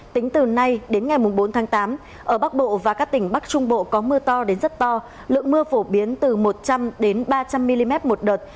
tính từ nay đến ngày bốn tháng tám ở bắc bộ và các tỉnh bắc trung bộ có mưa to đến rất to lượng mưa phổ biến từ một trăm linh ba trăm linh mm một đợt